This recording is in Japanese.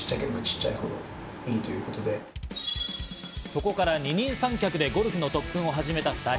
そこから二人三脚でゴルフの特訓を始めた２人。